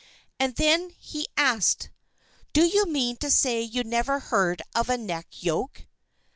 And then he asked: "Do you mean to say you never heard of a neck yoke?"